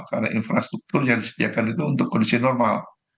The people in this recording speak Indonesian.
karena infrastruktur yang disediakan itu untuk kondisi normal